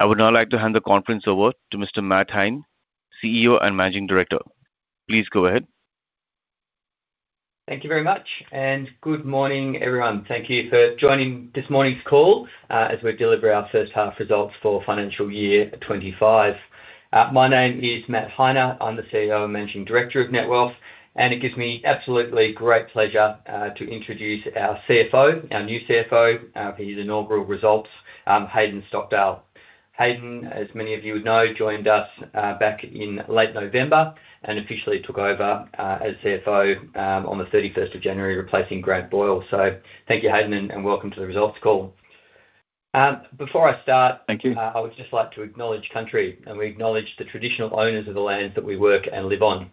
I would now like to hand the conference over to Mr. Matt Heine, CEO and Managing Director. Please go ahead. Thank you very much, and good morning, everyone. Thank you for joining this morning's call as we deliver our first half results for financial year 2025. My name is Matt Heine. I'm the CEO and Managing Director of Netwealth, and it gives me absolutely great pleasure to introduce our CFO, our new CFO, for his inaugural results, Hayden Stockdale. Hayden, as many of you would know, joined us back in late November and officially took over as CFO on the 31st of January, replacing Grant Boyle. So thank you, Hayden, and welcome to the results call. Before I start. Thank you. I would just like to acknowledge Country, and we acknowledge the Traditional Owners of the lands that we work and live on.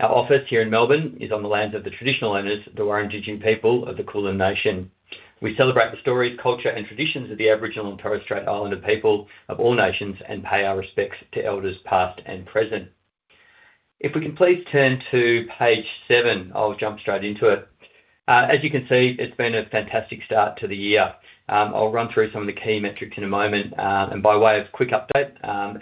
Our office here in Melbourne is on the lands of the Traditional Owners, the Wurundjeri people of the Kulin Nation. We celebrate the stories, culture, and traditions of the Aboriginal and Torres Strait Islander people of all nations and pay our respects to Elders past and present. If we can please turn to page seven, I'll jump straight into it. As you can see, it's been a fantastic start to the year. I'll run through some of the key metrics in a moment, and by way of quick update,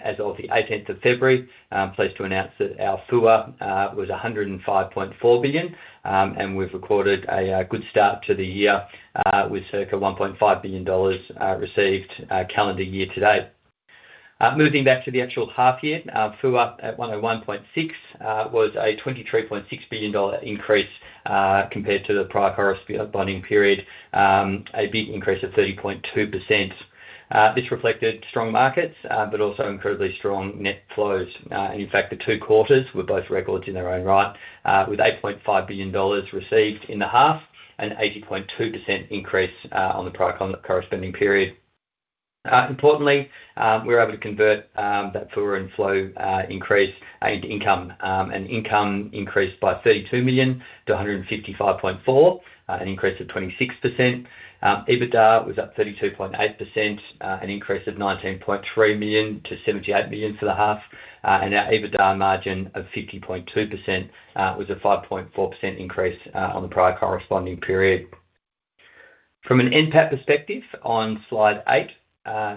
as of the 18th of February, I'm pleased to announce that our FUA was 105.4 billion, and we've recorded a good start to the year with circa 1.5 billion dollars received calendar year to date. Moving back to the actual half year, FUA at 101.6 billion was a 23.6 billion dollar increase compared to the prior corresponding period, a big increase of 30.2%. This reflected strong markets, but also incredibly strong net flows. And in fact, the two quarters were both records in their own right, with 8.5 billion dollars received in the half and an 80.2% increase on the prior corresponding period. Importantly, we were able to convert that FUA and flow increase into income, and income increased by 32 million-155.4 million, an increase of 26%. EBITDA was up 32.8%, an increase of 19.3 million-78 million for the half. And our EBITDA margin of 50.2% was a 5.4% increase on the prior corresponding period. From an NPAT perspective, on slide eight,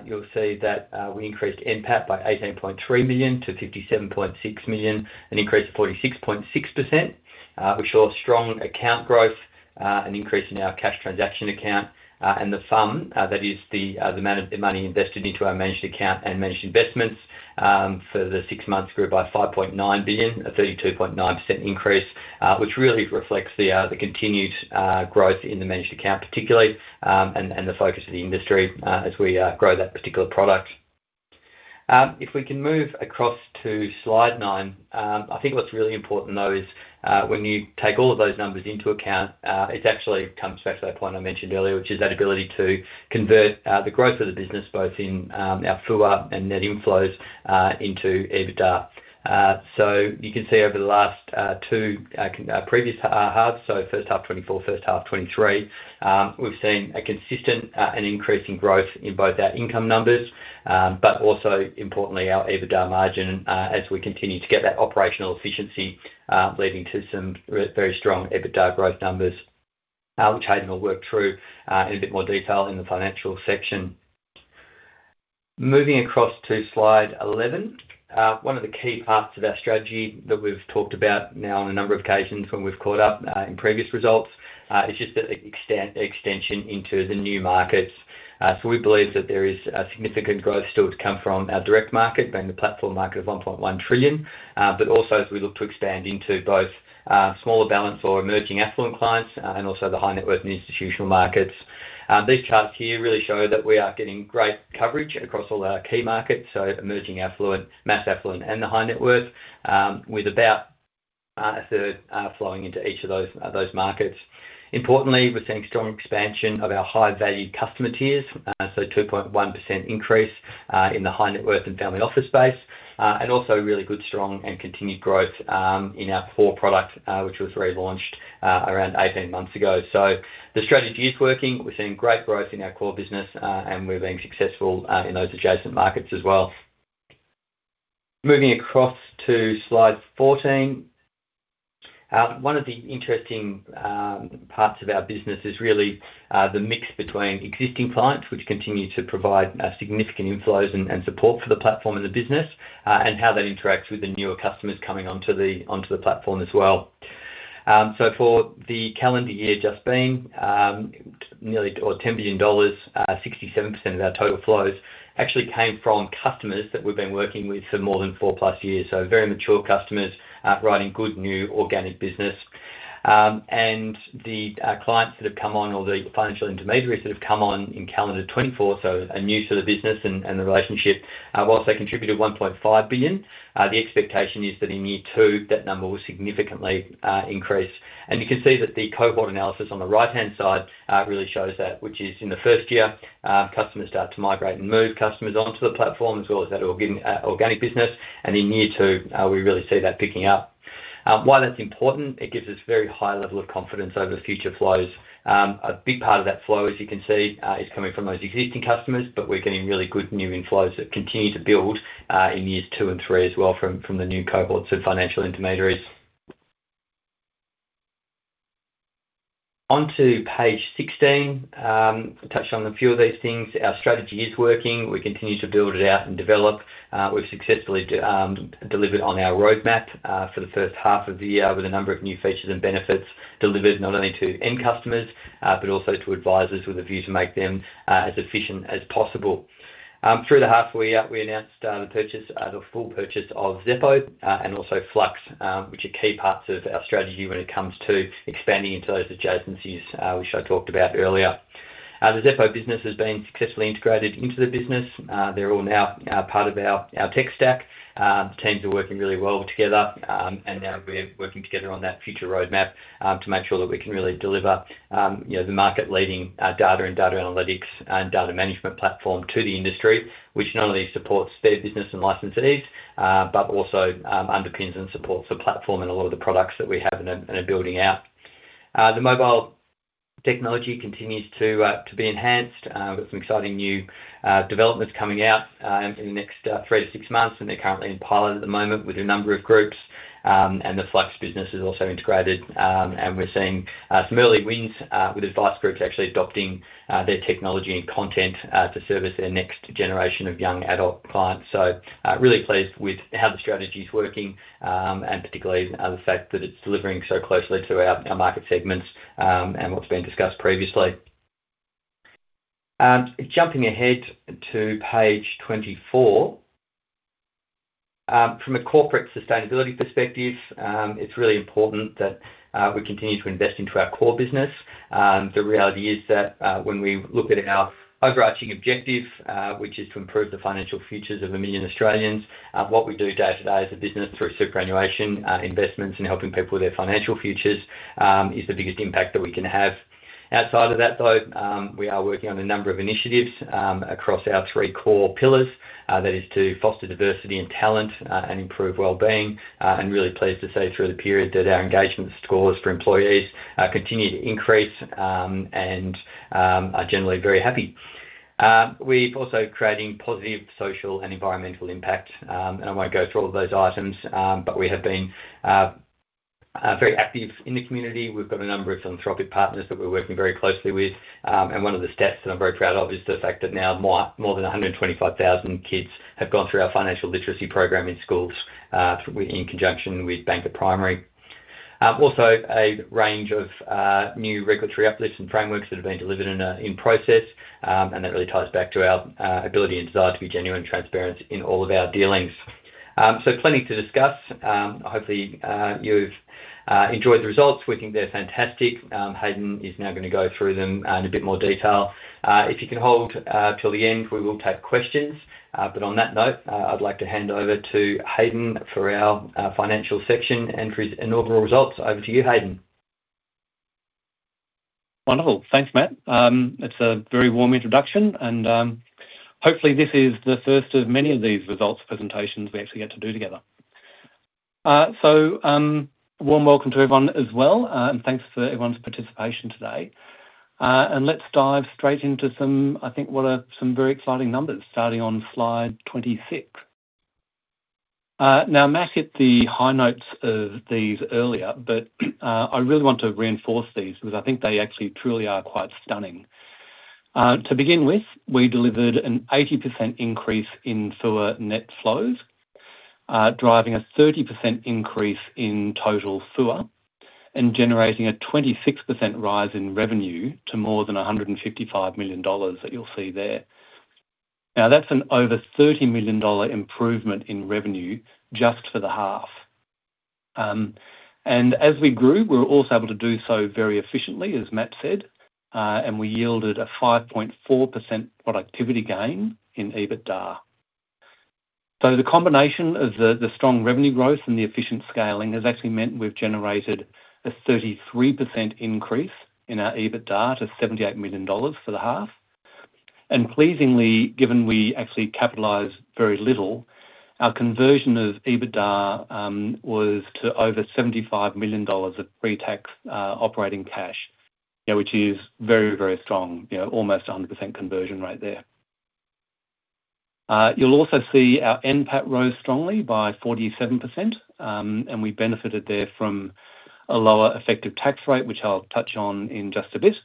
you'll see that we increased NPAT by 18.3 million-57.6 million, an increase of 46.6%, which saw strong account growth, an increase in our cash transaction account, and the fund, that is the amount of money invested into our managed account and managed investments for the six months grew by 5.9 billion, a 32.9% increase, which really reflects the continued growth in the managed account particularly and the focus of the industry as we grow that particular product. If we can move across to slide nine, I think what's really important, though, is when you take all of those numbers into account, it actually comes back to that point I mentioned earlier, which is that ability to convert the growth of the business, both in our FUA and net inflows, into EBITDA. You can see over the last two previous halves, so first half 2024, first half 2023, we've seen a consistent and increasing growth in both our income numbers, but also, importantly, our EBITDA margin as we continue to get that operational efficiency, leading to some very strong EBITDA growth numbers, which Hayden will work through in a bit more detail in the financial section. Moving across to slide 11, one of the key parts of our strategy that we've talked about now on a number of occasions when we've caught up in previous results is just the extension into the new markets. We believe that there is significant growth still to come from our direct market, being the platform market of 1.1 trillion, but also as we look to expand into both smaller balance or emerging affluent clients and also the high net worth and institutional markets. These charts here really show that we are getting great coverage across all our key markets, so emerging affluent, mass affluent, and the high net worth, with about a third flowing into each of those markets. Importantly, we're seeing strong expansion of our high-valued customer tiers, so a 2.1% increase in the high net worth and family office space, and also really good, strong, and continued growth in our core product, which was relaunched around 18 months ago. So the strategy is working. We're seeing great growth in our core business, and we're being successful in those adjacent markets as well. Moving across to slide 14, one of the interesting parts of our business is really the mix between existing clients, which continue to provide significant inflows and support for the platform and the business, and how that interacts with the newer customers coming onto the platform as well. For the calendar year just ended, nearly 10 billion dollars, 67% of our total flows actually came from customers that we've been working with for more than four plus years, so very mature customers writing good new organic business. The clients that have come on, or the financial intermediaries that have come on in calendar 2024, so a new sort of business and the relationship, while they contributed 1.5 billion, the expectation is that in year two, that number will significantly increase. You can see that the cohort analysis on the right-hand side really shows that, which is in the first year, customers start to migrate and move customers onto the platform as well as that organic business. In year two, we really see that picking up. Why is that important? It gives us a very high level of confidence over future flows. A big part of that flow, as you can see, is coming from those existing customers, but we're getting really good new inflows that continue to build in years two and three as well from the new cohorts of financial intermediaries. Onto page 16, touch on a few of these things. Our strategy is working. We continue to build it out and develop. We've successfully delivered on our roadmap for the first half of the year with a number of new features and benefits delivered not only to end customers, but also to advisers with a view to make them as efficient as possible. Through the halfway, we announced the purchase, the full purchase of Xeppo and also Flux, which are key parts of our strategy when it comes to expanding into those adjacencies, which I talked about earlier. The Xeppo business has been successfully integrated into the business. They're all now part of our tech stack. The teams are working really well together, and now we're working together on that future roadmap to make sure that we can really deliver the market-leading data and data analytics and data management platform to the industry, which not only supports their business and licensees, but also underpins and supports the platform and a lot of the products that we have and are building out. The mobile technology continues to be enhanced with some exciting new developments coming out in the next three to six months, and they're currently in pilot at the moment with a number of groups, and the Flux business is also integrated, and we're seeing some early wins with advice groups actually adopting their technology and content to service their next generation of young adult clients. So, really pleased with how the strategy is working and particularly the fact that it's delivering so closely to our market segments and what's been discussed previously. Jumping ahead to page 24, from a corporate sustainability perspective, it's really important that we continue to invest into our core business. The reality is that when we look at our overarching objective, which is to improve the financial futures of a million Australians, what we do day-to-day as a business through superannuation investments and helping people with their financial futures is the biggest impact that we can have. Outside of that, though, we are working on a number of initiatives across our three core pillars. That is, to foster diversity and talent and improve well-being. And really pleased to say through the period that our engagement scores for employees continue to increase and are generally very happy. We're also creating positive social and environmental impact. And I won't go through all of those items, but we have been very active in the community. We've got a number of philanthropic partners that we're working very closely with. And one of the stats that I'm very proud of is the fact that now more than 125,000 kids have gone through our financial literacy program in schools in conjunction with Banqer Primary. Also, a range of new regulatory uplifts and frameworks that have been delivered in process. And that really ties back to our ability and desire to be genuine and transparent in all of our dealings. So plenty to discuss. Hopefully, you've enjoyed the results. We think they're fantastic. Hayden is now going to go through them in a bit more detail. If you can hold till the end, we will take questions. But on that note, I'd like to hand over to Hayden for our financial section and for his inaugural results. Over to you, Hayden. Wonderful. Thanks, Matt. It's a very warm introduction. And hopefully, this is the first of many of these results presentations we actually get to do together. So warm welcome to everyone as well, and thanks for everyone's participation today. And let's dive straight into some, I think, what are some very exciting numbers starting on slide 26. Now, Matt hit the high notes of these earlier, but I really want to reinforce these because I think they actually truly are quite stunning. To begin with, we delivered an 80% increase in FUA net flows, driving a 30% increase in total FUA and generating a 26% rise in revenue to more than 155 million dollars that you'll see there. Now, that's an over 30 million dollar improvement in revenue just for the half. As we grew, we were also able to do so very efficiently, as Matt said, and we yielded a 5.4% productivity gain in EBITDA. The combination of the strong revenue growth and the efficient scaling has actually meant we've generated a 33% increase in our EBITDA to 78 million dollars for the half. Pleasingly, given we actually capitalized very little, our conversion of EBITDA was to over 75 million dollars of pre-tax operating cash, which is very, very strong, almost 100% conversion rate there. You'll also see our NPAT rose strongly by 47%, and we benefited there from a lower effective tax rate, which I'll touch on in just a bit.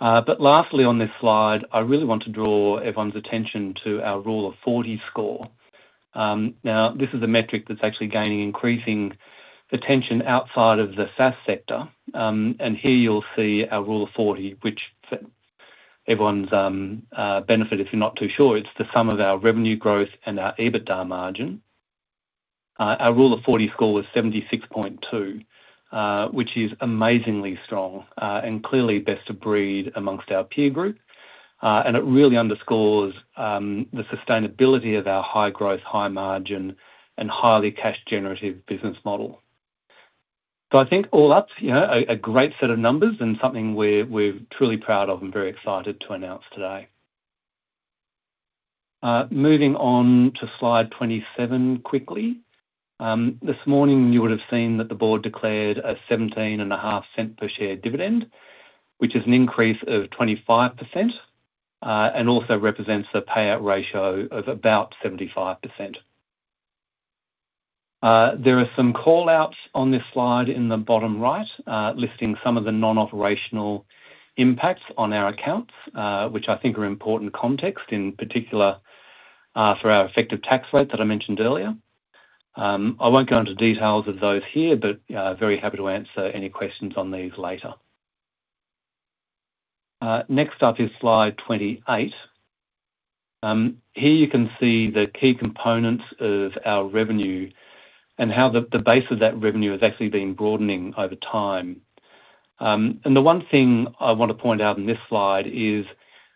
Lastly, on this slide, I really want to draw everyone's attention to our Rule of 40 score. Now, this is a metric that's actually gaining increasing attention outside of the SaaS sector. Here you'll see our Rule of 40, which everyone's benefited, if you're not too sure, it's the sum of our revenue growth and our EBITDA margin. Our Rule of 40 score was 76.2%, which is amazingly strong and clearly best of breed amongst our peer group. And it really underscores the sustainability of our high growth, high margin, and highly cash-generative business model. So I think all up, a great set of numbers and something we're truly proud of and very excited to announce today. Moving on to slide 27 quickly. This morning, you would have seen that the board declared an 0.175 per share dividend, which is an increase of 25% and also represents a payout ratio of about 75%. There are some callouts on this slide in the bottom right listing some of the non-operational impacts on our accounts, which I think are important context, in particular for our effective tax rate that I mentioned earlier. I won't go into details of those here, but I'm very happy to answer any questions on these later. Next up is slide 28. Here you can see the key components of our revenue and how the base of that revenue has actually been broadening over time, and the one thing I want to point out in this slide is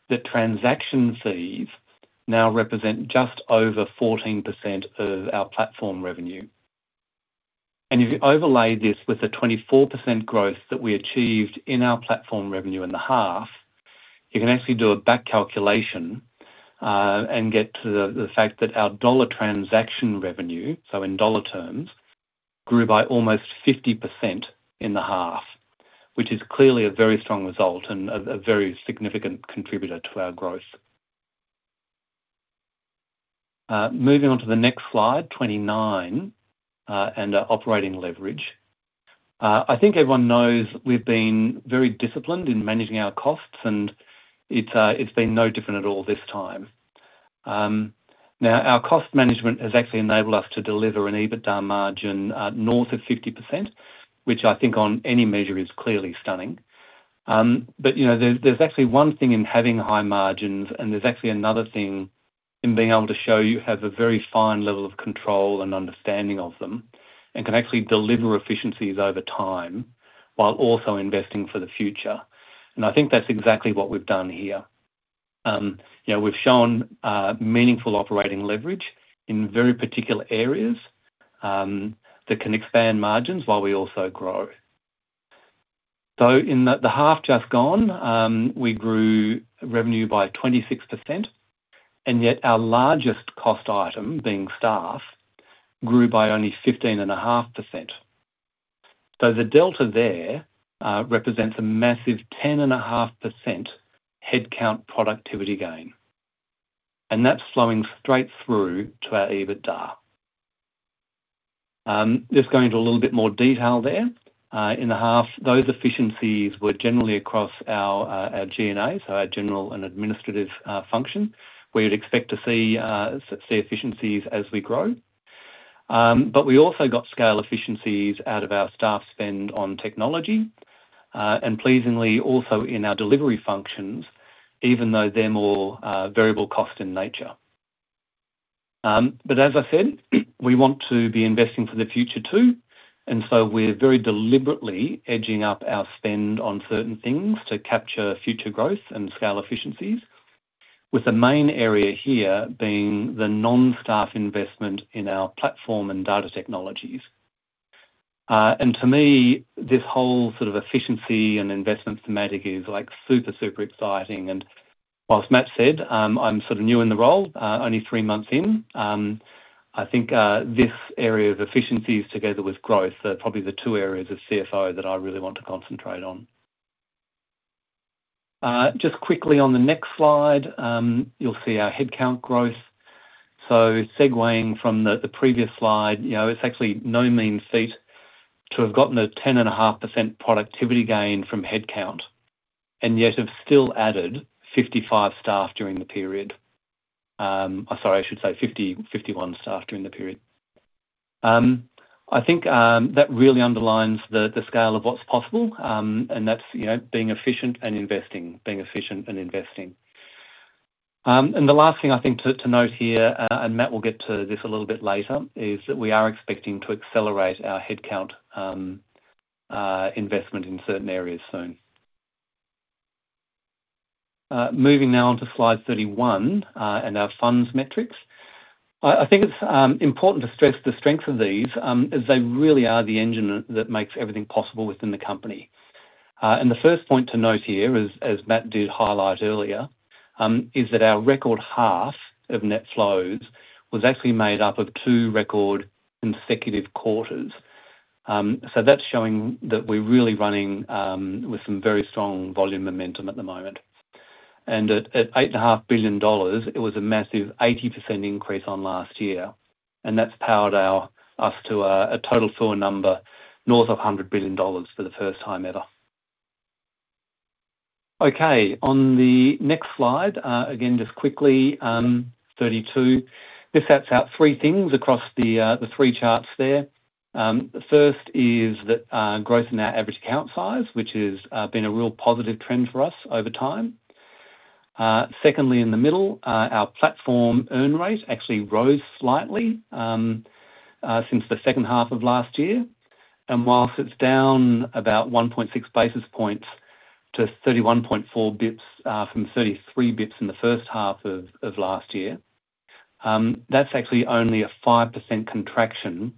that transaction fees now represent just over 14% of our platform revenue. And if you overlay this with the 24% growth that we achieved in our platform revenue in the half, you can actually do a back calculation and get to the fact that our dollar transaction revenue, so in dollar terms, grew by almost 50% in the half, which is clearly a very strong result and a very significant contributor to our growth. Moving on to the next slide, 29, and operating leverage. I think everyone knows we've been very disciplined in managing our costs, and it's been no different at all this time. Now, our cost management has actually enabled us to deliver an EBITDA margin north of 50%, which I think on any measure is clearly stunning. But there's actually one thing in having high margins, and there's actually another thing in being able to show you have a very fine level of control and understanding of them and can actually deliver efficiencies over time while also investing for the future. And I think that's exactly what we've done here. We've shown meaningful operating leverage in very particular areas that can expand margins while we also grow. So in the half just gone, we grew revenue by 26%, and yet our largest cost item, being staff, grew by only 15.5%. So the delta there represents a massive 10.5% headcount productivity gain. And that's flowing straight through to our EBITDA. Just going into a little bit more detail there, in the half, those efficiencies were generally across our G&A, so our general and administrative function, where you'd expect to see efficiencies as we grow. But we also got scale efficiencies out of our staff spend on technology, and pleasingly also in our delivery functions, even though they're more variable cost in nature. But as I said, we want to be investing for the future too. And so we're very deliberately edging up our spend on certain things to capture future growth and scale efficiencies, with the main area here being the non-staff investment in our platform and data technologies. And to me, this whole sort of efficiency and investment theme is super, super exciting. And while Matt said, I'm sort of new in the role, only three months in, I think this area of efficiencies together with growth are probably the two areas of CFO that I really want to concentrate on. Just quickly on the next slide, you'll see our headcount growth. So segueing from the previous slide, it's actually no mean feat to have gotten a 10.5% productivity gain from headcount and yet have still added 55 staff during the period. Sorry, I should say 51 staff during the period. I think that really underlines the scale of what's possible, and that's being efficient and investing, being efficient and investing. And the last thing I think to note here, and Matt will get to this a little bit later, is that we are expecting to accelerate our headcount investment in certain areas soon. Moving now on to slide 31 and our funds metrics. I think it's important to stress the strength of these as they really are the engine that makes everything possible within the company. And the first point to note here, as Matt did highlight earlier, is that our record half of net flows was actually made up of two record consecutive quarters. So that's showing that we're really running with some very strong volume momentum at the moment. And at 8.5 billion dollars, it was a massive 80% increase on last year. And that's powered us to a total FUA number north of 100 billion dollars for the first time ever. Okay, on the next slide, again, just quickly, 32, this sets out three things across the three charts there. The first is that growth in our average account size, which has been a real positive trend for us over time. Secondly, in the middle, our platform earn rate actually rose slightly since the second half of last year. While it's down about 1.6 basis points-31.4 basis points from 33 basis points in the first half of last year, that's actually only a 5% contraction,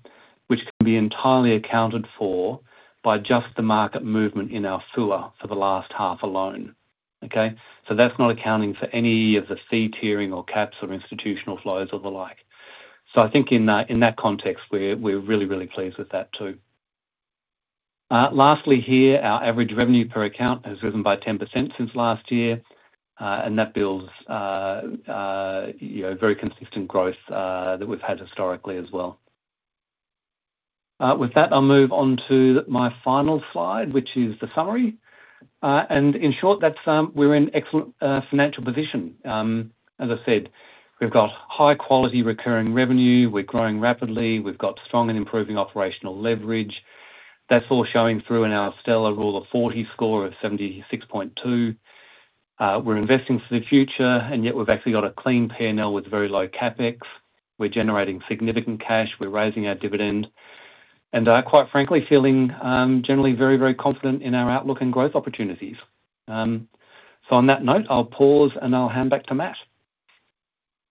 which can be entirely accounted for by just the market movement in our FUA for the last half alone. Okay? That's not accounting for any of the fee tiering or caps or institutional flows or the like. I think in that context, we're really, really pleased with that too. Lastly here, our average revenue per account has risen by 10% since last year. That builds very consistent growth that we've had historically as well. With that, I'll move on to my final slide, which is the summary. In short, we're in excellent financial position. As I said, we've got high-quality recurring revenue. We're growing rapidly. We've got strong and improving operational leverage. That's all showing through in our stellar Rule of 40 score of 76.2%. We're investing for the future, and yet we've actually got a clean P&L with very low CapEx. We're generating significant cash. We're raising our dividend, and quite frankly, feeling generally very, very confident in our outlook and growth opportunities, so on that note, I'll pause and I'll hand back to Matt.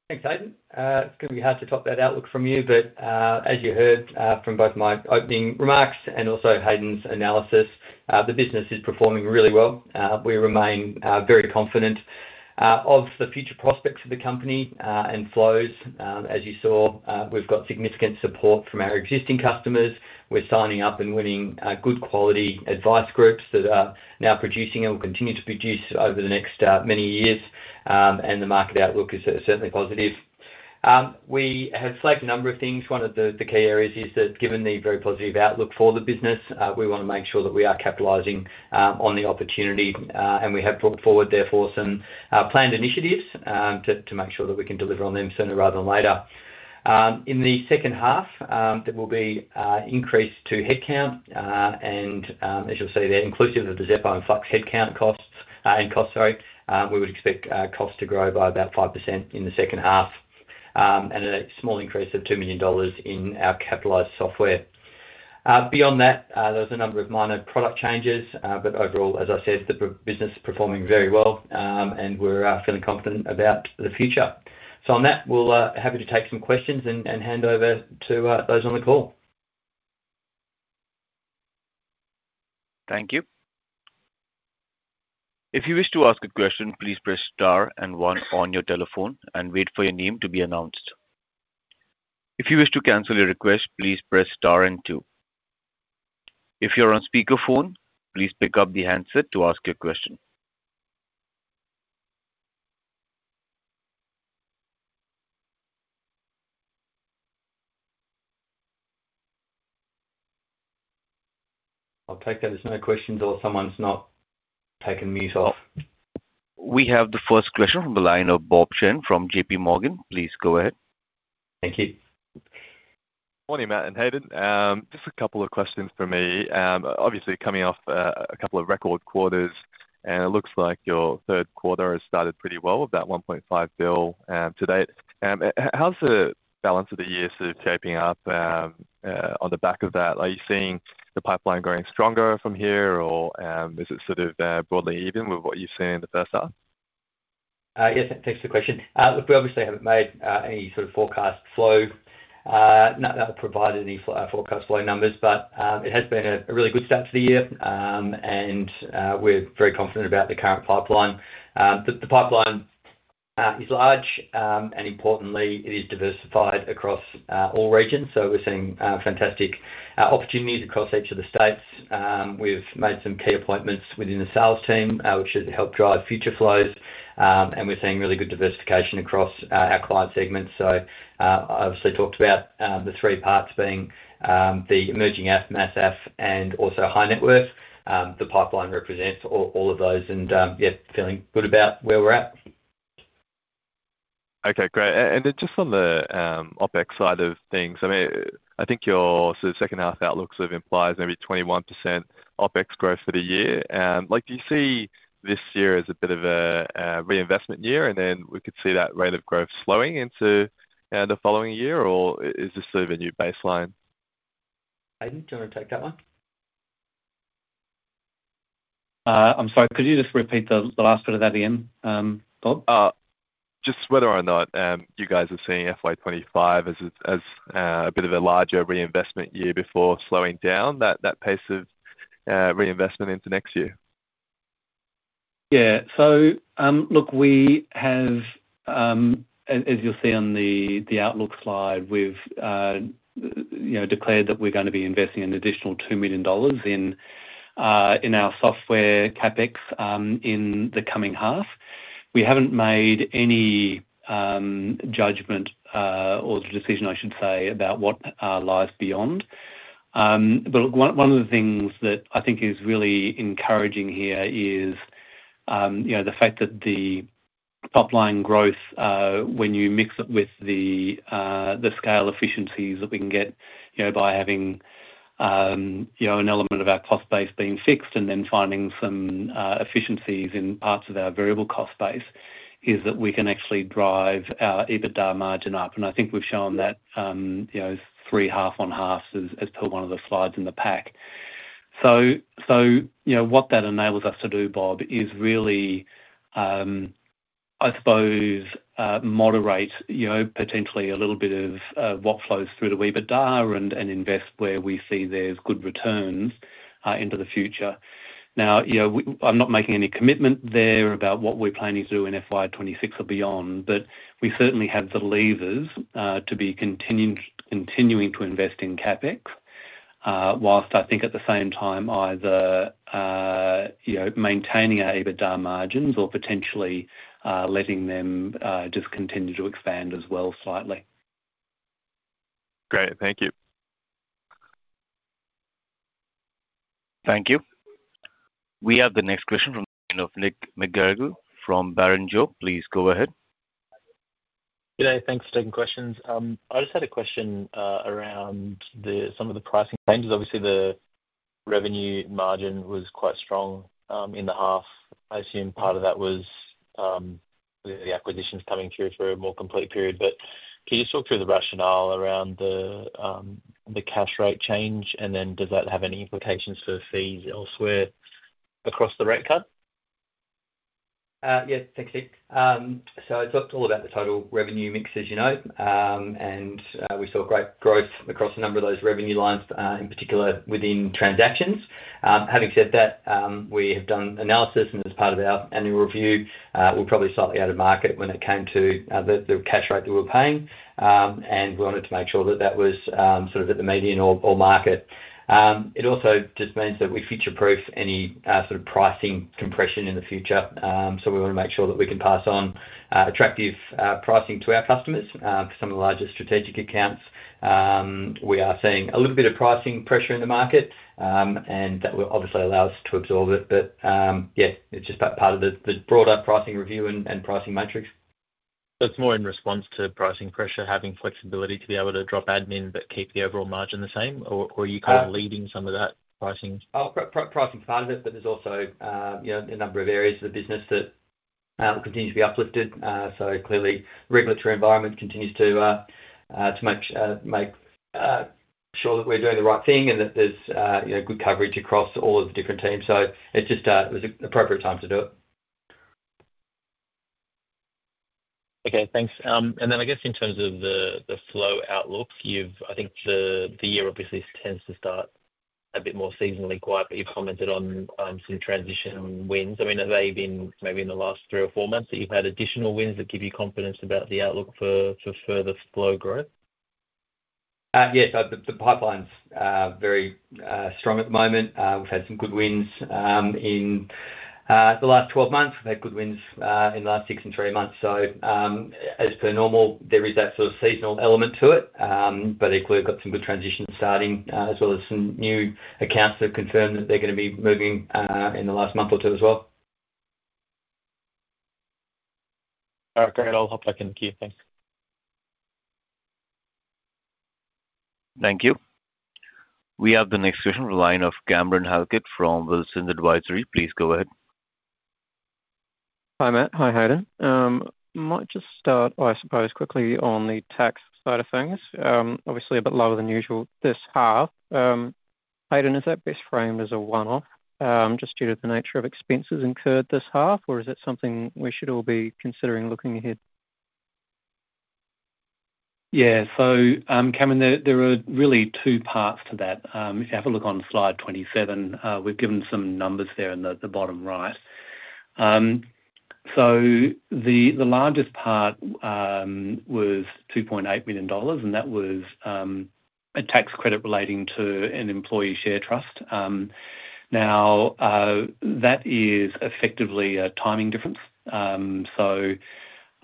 Thanks, Hayden. It's going to be hard to top that outlook from you, but as you heard from both my opening remarks and also Hayden's analysis, the business is performing really well. We remain very confident of the future prospects of the company and flows. As you saw, we've got significant support from our existing customers. We're signing up and winning good quality advice groups that are now producing and will continue to produce over the next many years. And the market outlook is certainly positive. We have flagged a number of things. One of the key areas is that given the very positive outlook for the business, we want to make sure that we are capitalizing on the opportunity. And we have brought forward, therefore, some planned initiatives to make sure that we can deliver on them sooner rather than later. In the second half, there will be an increase to headcount. And as you'll see there, inclusive of the Xeppo and Flux headcount costs, sorry, we would expect costs to grow by about 5% in the second half and a small increase of 2 million dollars in our capitalized software. Beyond that, there's a number of minor product changes. But overall, as I said, the business is performing very well, and we're feeling confident about the future. So on that, we'll be happy to take some questions and hand over to those on the call. Thank you. If you wish to ask a question, please press star and one on your telephone and wait for your name to be announced. If you wish to cancel your request, please press star and two. If you're on speakerphone, please pick up the handset to ask your question. I'll take those. No questions, or someone's not taken me off. We have the first question from the line of Bob Chen from JPMorgan. Please go ahead. Thank you. Morning, Matt and Hayden. Just a couple of questions for me. Obviously, coming off a couple of record quarters, and it looks like your third quarter has started pretty well with that 1.5 billion to date. How's the balance of the year sort of shaping up on the back of that? Are you seeing the pipeline going stronger from here, or is it sort of broadly even with what you've seen in the first half? Yes, thanks for the question. We obviously haven't made any sort of forecast flow. Not that I've provided any forecast flow numbers, but it has been a really good start to the year, and we're very confident about the current pipeline. The pipeline is large, and importantly, it is diversified across all regions. So we're seeing fantastic opportunities across each of the states. We've made some key appointments within the sales team, which has helped drive future flows. And we're seeing really good diversification across our client segments. So I obviously talked about the three parts being the emerging affluent, mass affluent, and also high net worth. The pipeline represents all of those, and yeah, feeling good about where we're at. Okay, great. And then just on the OpEx side of things, I mean, I think your sort of second half outlook sort of implies maybe 21% OpEx growth for the year. Do you see this year as a bit of a reinvestment year, and then we could see that rate of growth slowing into the following year, or is this sort of a new baseline? Hayden, do you want to take that one? I'm sorry, could you just repeat the last bit of that again, Bob? Just whether or not you guys are seeing FY2025 as a bit of a larger reinvestment year before slowing down that pace of reinvestment into next year? Yeah. So look, we have, as you'll see on the outlook slide, we've declared that we're going to be investing an additional 2 million dollars in our software CapEx in the coming half. We haven't made any judgment or decision, I should say, about what lies beyond. But one of the things that I think is really encouraging here is the fact that the top line growth, when you mix it with the scale efficiencies that we can get by having an element of our cost base being fixed and then finding some efficiencies in parts of our variable cost base is that we can actually drive our EBITDA margin up. And I think we've shown that three half on half, as per one of the slides in the pack. So what that enables us to do, Bob, is really, I suppose, moderate potentially a little bit of what flows through to EBITDA and invest where we see there's good returns into the future. Now, I'm not making any commitment there about what we're planning to do in FY2026 or beyond, but we certainly have the levers to be continuing to invest in CapEx, whilst I think at the same time either maintaining our EBITDA margins or potentially letting them just continue to expand as well slightly. Great. Thank you. Thank you. We have the next question from Nick McGarrigle from Barrenjoey. Please go ahead. Good day. Thanks for taking questions. I just had a question around some of the pricing changes. Obviously, the revenue margin was quite strong in the half. I assume part of that was the acquisitions coming through for a more complete period. But can you just talk through the rationale around the cash rate change? And then does that have any implications for fees elsewhere across the rate cut? Yeah, thank you. So I talked all about the total revenue mix, as you know, and we saw great growth across a number of those revenue lines, in particular within transactions. Having said that, we have done analysis, and as part of our annual review, we're probably slightly out of market when it came to the cash rate that we're paying. And we wanted to make sure that that was sort of at the median or market. It also just means that we future-proof any sort of pricing compression in the future. So we want to make sure that we can pass on attractive pricing to our customers for some of the largest strategic accounts. We are seeing a little bit of pricing pressure in the market, and that will obviously allow us to absorb it. But yeah, it's just part of the broader pricing review and pricing matrix. So it's more in response to pricing pressure, having flexibility to be able to drop admin but keep the overall margin the same, or are you kind of leading some of that pricing? Pricing's part of it, but there's also a number of areas of the business that continue to be uplifted. So clearly, the regulatory environment continues to make sure that we're doing the right thing and that there's good coverage across all of the different teams. So it's just an appropriate time to do it. Okay, thanks. And then I guess in terms of the flow outlook, I think the year obviously tends to start a bit more seasonally quiet, but you've commented on some transition wins. I mean, have they been maybe in the last three or four months that you've had additional wins that give you confidence about the outlook for further flow growth? Yes, the pipeline's very strong at the moment. We've had some good wins in the last 12 months. We've had good wins in the last six and three months. So as per normal, there is that sort of seasonal element to it, but equally, we've got some good transitions starting as well as some new accounts that have confirmed that they're going to be moving in the last month or two as well. All right, great. I'll hop back in the queue. Thanks. Thank you. We have the next question from the line of Cameron Halkett from Wilsons Advisory. Please go ahead. Hi Matt. Hi, Hayden. Might just start, I suppose, quickly on the tax side of things. Obviously, a bit lower than usual this half. Hayden, is that best framed as a one-off just due to the nature of expenses incurred this half, or is it something we should all be considering looking ahead? Yeah. So Cameron, there are really two parts to that. If you have a look on slide 27, we've given some numbers there in the bottom right. So the largest part was 2.8 million dollars, and that was a tax credit relating to an employee share trust. Now, that is effectively a timing difference. So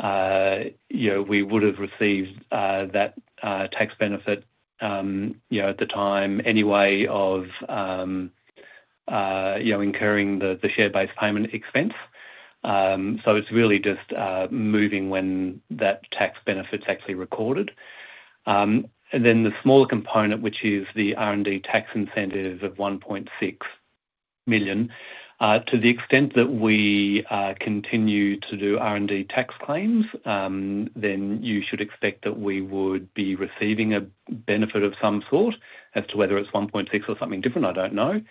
we would have received that tax benefit at the time anyway of incurring the share-based payment expense. So it's really just moving when that tax benefit's actually recorded. And then the smaller component, which is the R&D tax incentive of 1.6 million, to the extent that we continue to do R&D tax claims, then you should expect that we would be receiving a benefit of some sort as to whether it's 1.6 or something different. I don't know.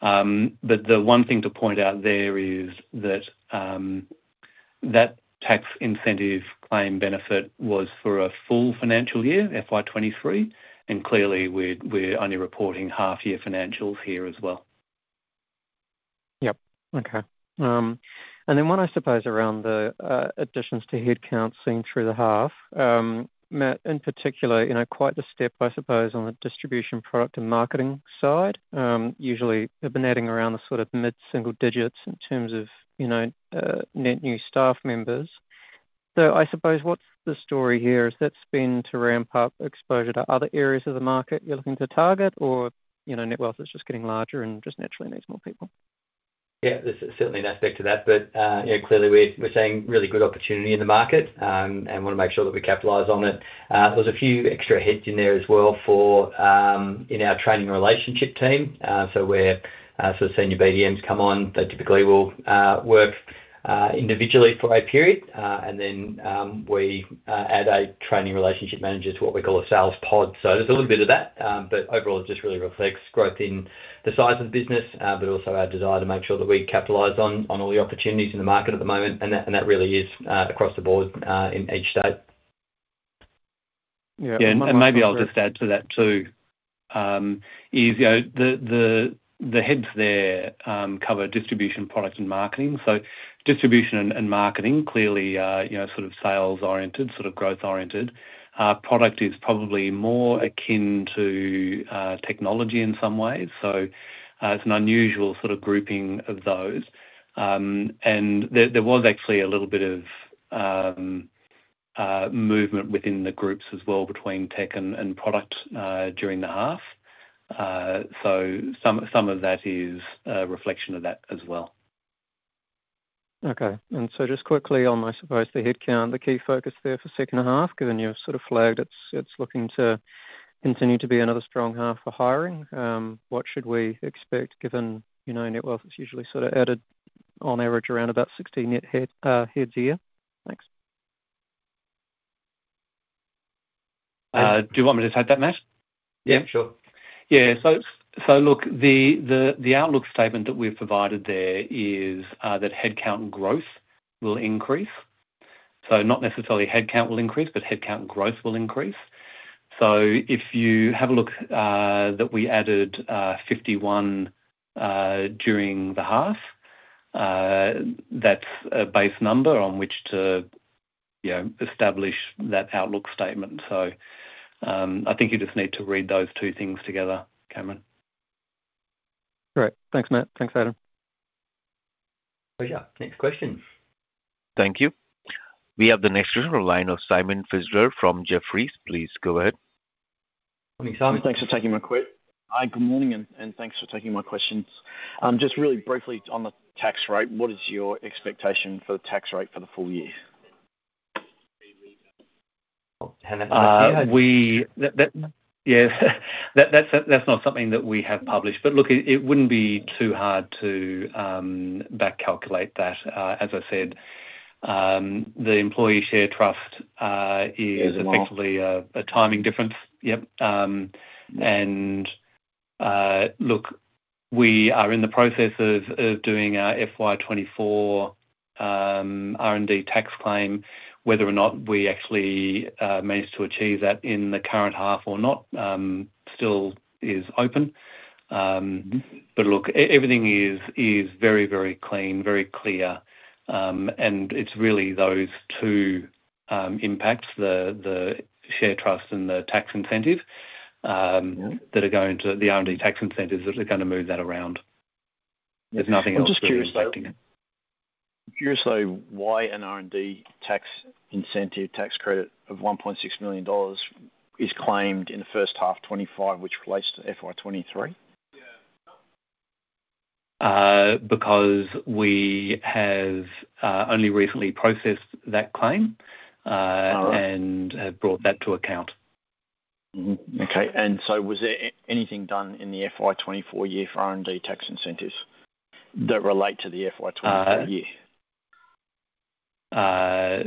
But the one thing to point out there is that that tax incentive claim benefit was for a full financial year, FY2023, and clearly, we're only reporting half-year financials here as well. Yep. Okay. And then one, I suppose, around the additions to headcount seen through the half. Matt, in particular, quite the step, I suppose, on the distribution product and marketing side. Usually, they've been adding around the sort of mid-single digits in terms of net new staff members. So I suppose what's the story here is that's been to ramp up exposure to other areas of the market you're looking to target, or Netwealth is just getting larger and just naturally needs more people? Yeah, there's certainly an aspect to that. But clearly, we're seeing really good opportunity in the market and want to make sure that we capitalize on it. There's a few extra heads in there as well in our training relationship team. So where sort of senior BDMs come on, they typically will work individually for a period, and then we add a training relationship manager to what we call a sales pod. So there's a little bit of that. But overall, it just really reflects growth in the size of the business, but also our desire to make sure that we capitalize on all the opportunities in the market at the moment. And that really is across the board in each state. Yeah. And maybe I'll just add to that too is the heads there cover distribution, product, and marketing. So distribution and marketing, clearly sort of sales-oriented, sort of growth-oriented. Product is probably more akin to technology in some ways. So it's an unusual sort of grouping of those. And there was actually a little bit of movement within the groups as well between tech and product during the half. So some of that is a reflection of that as well. Okay. And so just quickly on, I suppose, the headcount, the key focus there for second half, given you've sort of flagged it's looking to continue to be another strong half for hiring. What should we expect given Netwealth is usually sort of added on average around about 16 heads a year? Thanks. Do you want me to just add that, Matt? Yeah, sure. Yeah. So look, the outlook statement that we've provided there is that headcount growth will increase. So not necessarily headcount will increase, but headcount growth will increase. So if you have a look that we added 51 during the half, that's a base number on which to establish that outlook statement. So I think you just need to read those two things together, Cameron. Great. Thanks, Matt. Thanks, Hayden. Pleasure. Next question. Thank you. We have the next line of Simon Fitzgerald from Jefferies. Please go ahead. Morning, Simon. Thanks for taking my quote. Hi, good morning, and thanks for taking my questions. Just really briefly on the tax rate, what is your expectation for the tax rate for the full year? Yes, that's not something that we have published. But look, it wouldn't be too hard to back calculate that. As I said, the employee share trust is effectively a timing difference. Yep. And look, we are in the process of doing our FY2024 R&D tax claim. Whether or not we actually manage to achieve that in the current half or not still is open. But look, everything is very, very clean, very clear. And it's really those two impacts, the share trust and the tax incentive that are going to the R&D tax incentives that are going to move that around. There's nothing else we're expecting. I'm just curious though, why an R&D tax incentive tax credit of 1.6 million dollars is claimed in the first half 2025, which relates to FY2023? Because we have only recently processed that claim and have brought that to account. Was there anything done in the FY2024 year for R&D tax incentives that relate to the FY2023 year? No.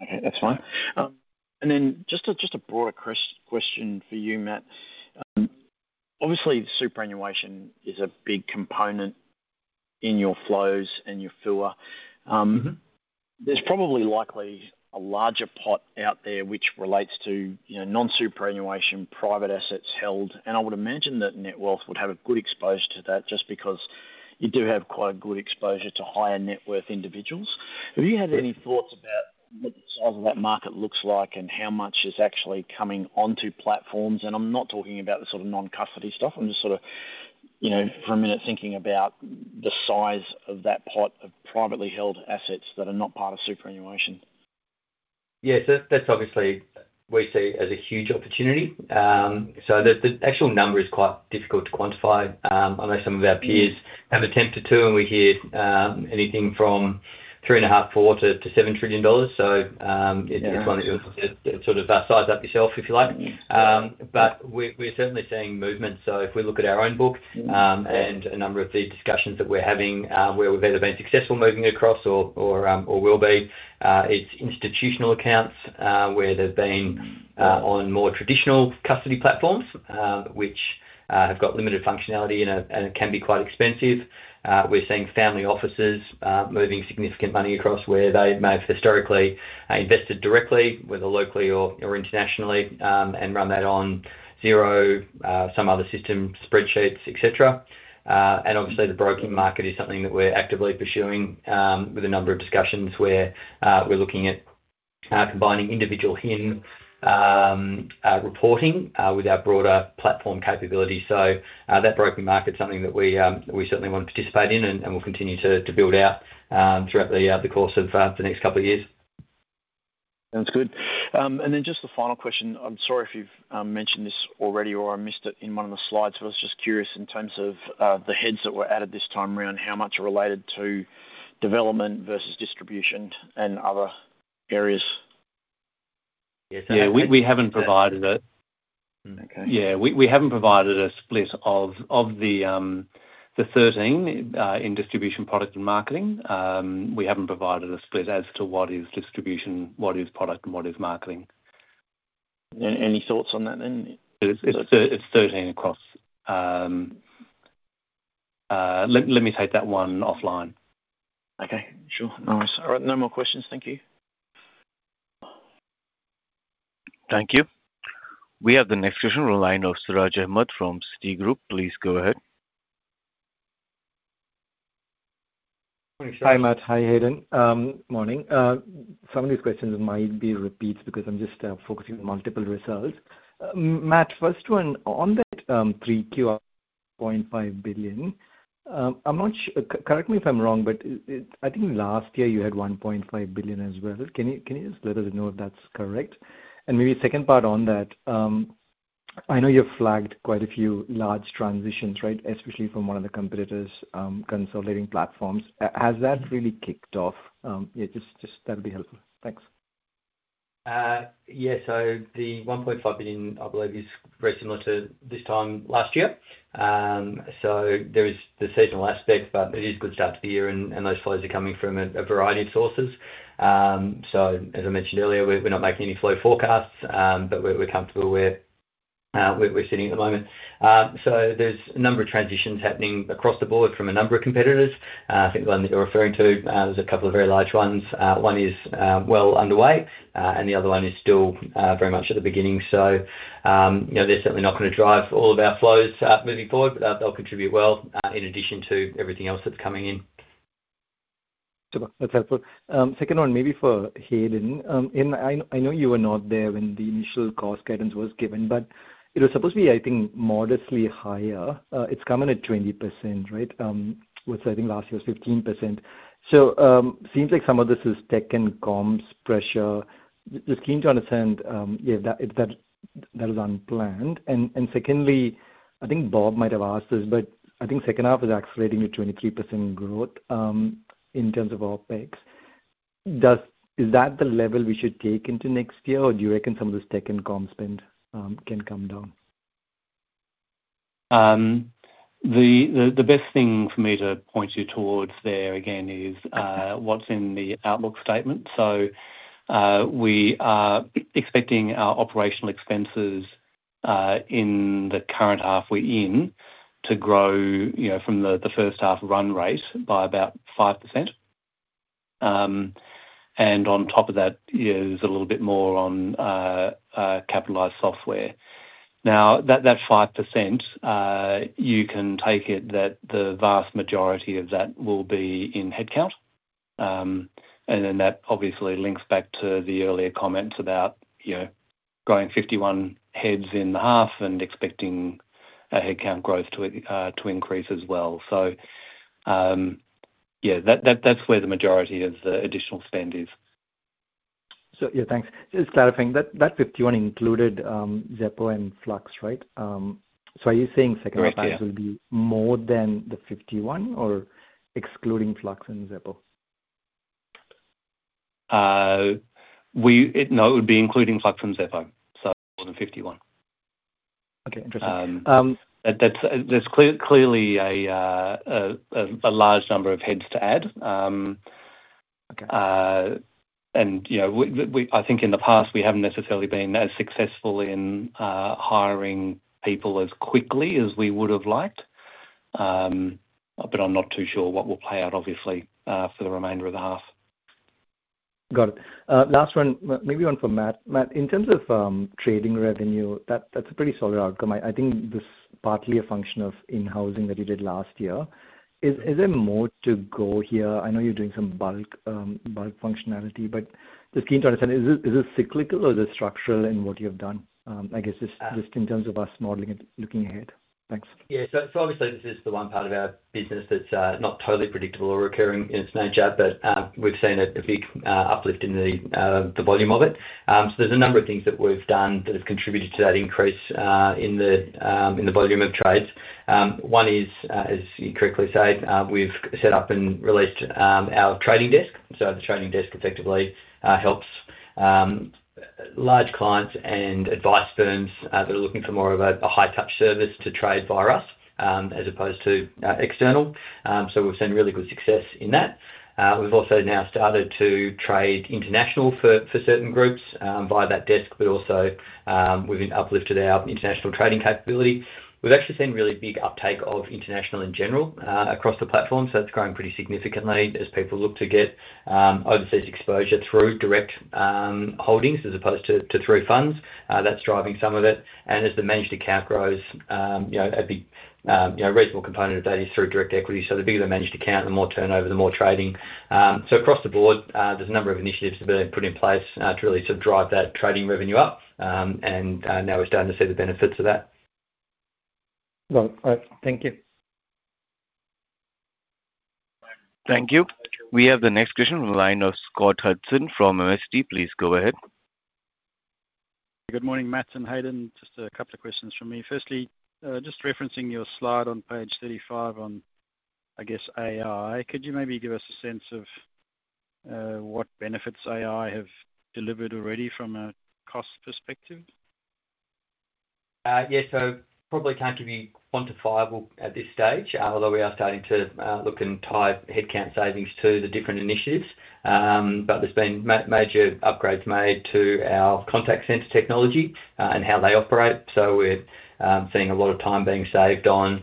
Okay. That's fine. And then just a broader question for you, Matt. Obviously, superannuation is a big component in your flows and your FUA. There's probably likely a larger pot out there which relates to non-superannuation private assets held. And I would imagine that Netwealth would have a good exposure to that just because you do have quite a good exposure to higher net worth individuals. Have you had any thoughts about what the size of that market looks like and how much is actually coming onto platforms? And I'm not talking about the sort of non-custody stuff. I'm just sort of for a minute thinking about the size of that pot of privately held assets that are not part of superannuation. Yeah. So that's obviously we see as a huge opportunity. So the actual number is quite difficult to quantify. I know some of our peers have attempted to, and we hear anything from 3.5 trillion-7 trillion dollars. So it's one that you'll sort of size up yourself if you like. But we're certainly seeing movement. So if we look at our own book and a number of the discussions that we're having where we've either been successful moving across or will be, it's institutional accounts where they've been on more traditional custody platforms which have got limited functionality and can be quite expensive. We're seeing family offices moving significant money across where they may have historically invested directly whether locally or internationally and run that on Xero, some other systems, spreadsheets, etc. And obviously, the broking market is something that we're actively pursuing with a number of discussions where we're looking at combining individual HIN reporting with our broader platform capability, so that broking market's something that we certainly want to participate in and will continue to build out throughout the course of the next couple of years. Sounds good. And then just the final question. I'm sorry if you've mentioned this already or I missed it in one of the slides, but I was just curious in terms of the heads that were added this time around how much related to development versus distribution and other areas? Yeah. We haven't provided it. Yeah. We haven't provided a split of the 13 in distribution, product, and marketing. We haven't provided a split as to what is distribution, what is product, and what is marketing. Any thoughts on that then? It's 13 across. Let me take that one offline. Okay. Sure. No worries. All right. No more questions. Thank you. Thank you. We have the next question from Siraj Ahmed from Citi. Please go ahead. Hi, Matt. Hi, Hayden. Morning. Some of these questions might be repeats because I'm just focusing on multiple results. Matt, first one, on that 3.5 billion, correct me if I'm wrong, but I think last year you had 1.5 billion as well. Can you just let us know if that's correct? And maybe second part on that, I know you've flagged quite a few large transitions, right, especially from one of the competitors' consolidating platforms. Has that really kicked off? Yeah, just that would be helpful. Thanks. Yeah. So the 1.5 billion, I believe, is very similar to this time last year. So there is the seasonal aspect, but it is good start to the year, and those flows are coming from a variety of sources. So as I mentioned earlier, we're not making any flow forecasts, but we're comfortable where we're sitting at the moment. So there's a number of transitions happening across the board from a number of competitors. I think the one that you're referring to, there's a couple of very large ones. One is well underway, and the other one is still very much at the beginning. So they're certainly not going to drive all of our flows moving forward, but they'll contribute well in addition to everything else that's coming in. Super. That's helpful. Second one, maybe for Hayden. And I know you were not there when the initial cost guidance was given, but it was supposed to be, I think, modestly higher. It's come in at 20%, right? So I think last year was 15%. So it seems like some of this is tech and comms pressure. Just keen to understand if that was unplanned. And secondly, I think Bob might have asked this, but I think second half is accelerating to 23% growth in terms of OpEx. Is that the level we should take into next year, or do you reckon some of this tech and comms spend can come down? The best thing for me to point you towards there again is what's in the outlook statement. So we are expecting our operational expenses in the current half we're in to grow from the first half run rate by about 5%. And on top of that, there's a little bit more on capitalized software. Now, that 5%, you can take it that the vast majority of that will be in headcount. And then that obviously links back to the earlier comments about growing 51 heads in the half and expecting headcount growth to increase as well. So yeah, that's where the majority of the additional spend is. Yeah, thanks. Just clarifying, that 51 included Xeppo and Flux, right? Are you saying second half will be more than the 51 or excluding Flux and Xeppo? No, it would be including Flux and Xeppo. So more than 51. Okay. Interesting. There's clearly a large number of heads to add, and I think in the past, we haven't necessarily been as successful in hiring people as quickly as we would have liked, but I'm not too sure what will play out, obviously, for the remainder of the half. Got it. Last one, maybe one for Matt. Matt, in terms of trading revenue, that's a pretty solid outcome. I think this is partly a function of in-housing that you did last year. Is there more to go here? I know you're doing some bulk functionality, but just keen to understand, is it cyclical or is it structural in what you have done? I guess just in terms of us modeling it, looking ahead. Thanks. Yeah. So obviously, this is the one part of our business that's not totally predictable or recurring in its nature, but we've seen a big uplift in the volume of it. So there's a number of things that we've done that have contributed to that increase in the volume of trades. One is, as you correctly say, we've set up and released our trading desk. So the trading desk effectively helps large clients and advice firms that are looking for more of a high-touch service to trade via us as opposed to external. So we've seen really good success in that. We've also now started to trade international for certain groups via that desk, but also we've uplifted our international trading capability. We've actually seen really big uptake of international in general across the platform. So that's grown pretty significantly as people look to get overseas exposure through direct holdings as opposed to through funds. That's driving some of it. And as the managed account grows, a reasonable component of that is through direct equity. So the bigger the managed account, the more turnover, the more trading. So across the board, there's a number of initiatives that have been put in place to really sort of drive that trading revenue up. And now we're starting to see the benefits of that. All right. Thank you. Thank you. We have the next question from Scott Hudson from MST. Please go ahead. Good morning, Matt and Hayden. Just a couple of questions from me. Firstly, just referencing your slide on page 35 on, I guess, AI, could you maybe give us a sense of what benefits AI have delivered already from a cost perspective? Yeah. So probably can't give you quantifiable at this stage, although we are starting to look and tie headcount savings to the different initiatives. But there's been major upgrades made to our contact center technology and how they operate. So we're seeing a lot of time being saved on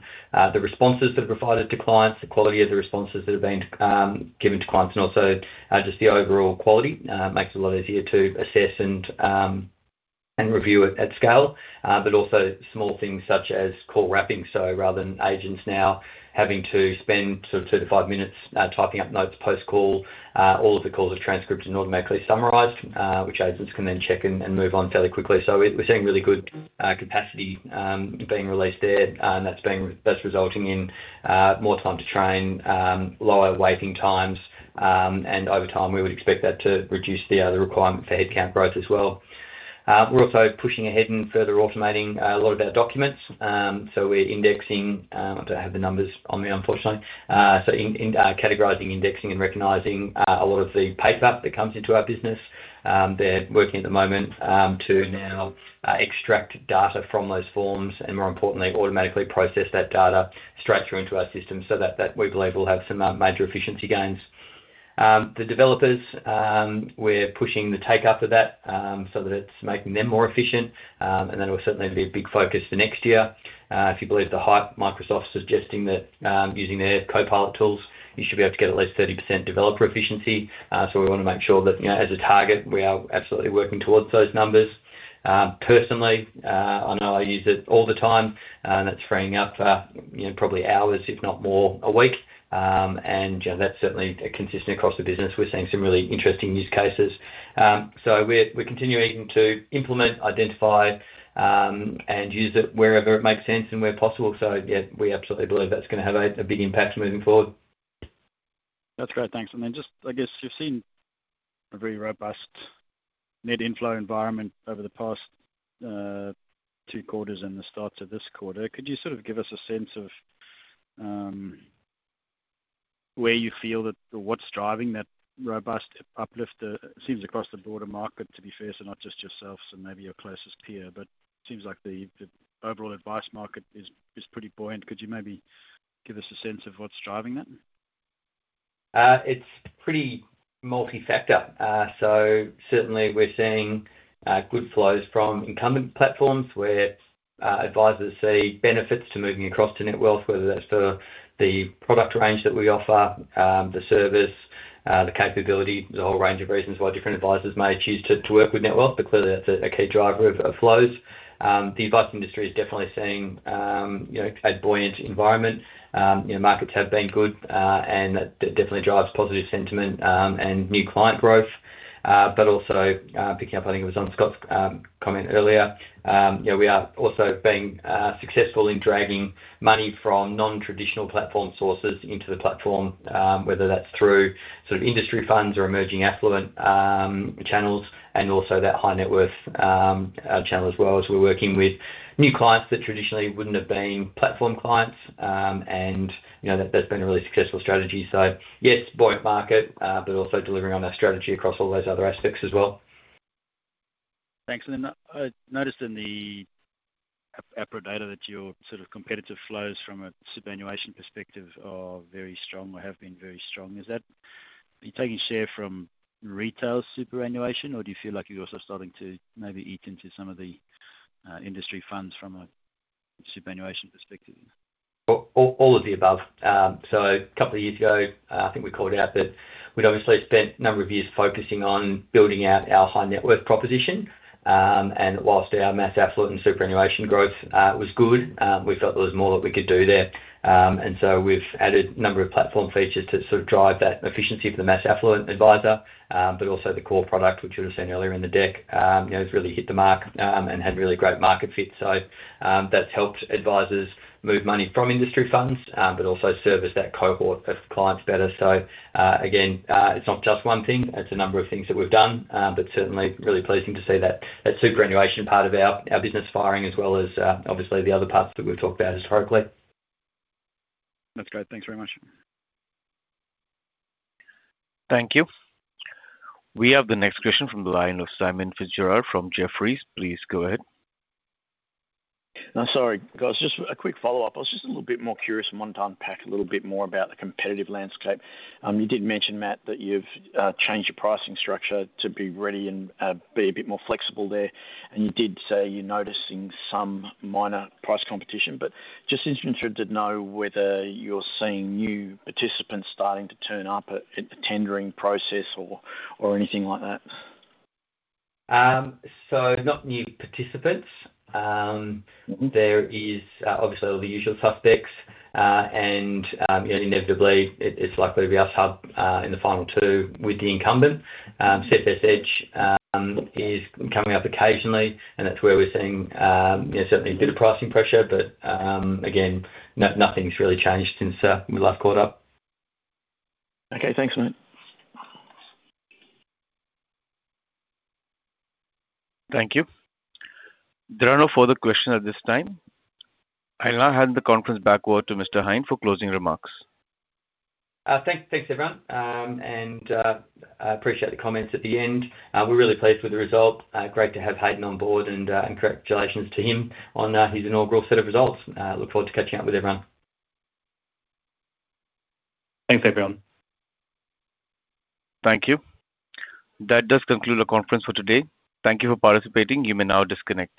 the responses that are provided to clients, the quality of the responses that are being given to clients, and also just the overall quality makes it a lot easier to assess and review it at scale. But also small things such as call wrapping. So rather than agents now having to spend sort of two to five minutes typing up notes post-call, all of the calls are transcribed and automatically summarized, which agents can then check in and move on fairly quickly. We're seeing really good capacity being released there, and that's resulting in more time to train, lower waiting times. And over time, we would expect that to reduce the requirement for headcount growth as well. We're also pushing ahead and further automating a lot of our documents. We're indexing, I don't have the numbers on me, unfortunately, so categorizing, indexing, and recognizing a lot of the paper that comes into our business. They're working at the moment to now extract data from those forms and, more importantly, automatically process that data straight through into our system so that we believe we'll have some major efficiency gains. The developers, we're pushing the take-up of that so that it's making them more efficient. And that will certainly be a big focus for next year. If you believe the hype, Microsoft's suggesting that using their Copilot tools, you should be able to get at least 30% developer efficiency. So we want to make sure that as a target, we are absolutely working towards those numbers. Personally, I know I use it all the time, and that's freeing up probably hours, if not more, a week. And that's certainly consistent across the business. We're seeing some really interesting use cases. So we're continuing to implement, identify, and use it wherever it makes sense and where possible. So yeah, we absolutely believe that's going to have a big impact moving forward. That's great. Thanks. And then just, I guess, you've seen a very robust net flow environment over the past two quarters and the start of this quarter. Could you sort of give us a sense of where you feel that or what's driving that robust uplift? It seems across the broader market, to be fair, so not just yourself and maybe your closest peer, but it seems like the overall advice market is pretty buoyant. Could you maybe give us a sense of what's driving that? It's pretty multifactor. So certainly, we're seeing good flows from incumbent platforms where advisrs see benefits to moving across to Netwealth, whether that's for the product range that we offer, the service, the capability, the whole range of reasons why different advisers may choose to work with Netwealth. But clearly, that's a key driver of flows. The advice industry is definitely seeing a buoyant environment. Markets have been good, and that definitely drives positive sentiment and new client growth. But also picking up, I think it was on Scott's comment earlier, we are also being successful in dragging money from non-traditional platform sources into the platform, whether that's through sort of industry funds or emerging affluent channels, and also that high-net-worth channel as well. So we're working with new clients that traditionally wouldn't have been platform clients, and that's been a really successful strategy. So yes, buoyant market, but also delivering on our strategy across all those other aspects as well. Thanks. And I noticed in the APRA data that your sort of competitive flows from a superannuation perspective are very strong or have been very strong. Is that taking share from retail superannuation, or do you feel like you're also starting to maybe eat into some of the industry funds from a superannuation perspective? All of the above. So a couple of years ago, I think we called out that we'd obviously spent a number of years focusing on building out our high-net-worth proposition. And while our mass affluent and superannuation growth was good, we felt there was more that we could do there. And so we've added a number of platform features to sort of drive that efficiency for the mass affluent adviser, but also the core product, which we were seeing earlier in the deck, has really hit the mark and had really great market fit. So that's helped advisers move money from industry funds, but also service that cohort of clients better. So again, it's not just one thing. It's a number of things that we've done, but certainly really pleasing to see that superannuation part of our business firing as well as obviously the other parts that we've talked about historically. That's great. Thanks very much. Thank you. We have the next question from the line of Simon Fitzgerald from Jefferies. Please go ahead. Sorry. Just a quick follow-up. I was just a little bit more curious and wanted to unpack a little bit more about the competitive landscape. You did mention, Matt, that you've changed your pricing structure to be ready and be a bit more flexible there. And you did say you're noticing some minor price competition. But just interested to know whether you're seeing new participants starting to turn up at the tendering process or anything like that. So not new participants. There is obviously all the usual suspects. And inevitably, it's likely to be us in the final two with the incumbent. CFS Edge is coming up occasionally, and that's where we're seeing certainly a bit of pricing pressure. But again, nothing's really changed since we last caught up. Okay. Thanks, Matt. Thank you. There are no further questions at this time. I'll now hand the conference back over to Mr. Heine for closing remarks. Thanks, everyone. I appreciate the comments at the end. We're really pleased with the result. Great to have Hayden on board, and congratulations to him on his inaugural set of results. Look forward to catching up with everyone. Thanks, everyone. Thank you. That does conclude the conference for today. Thank you for participating. You may now disconnect.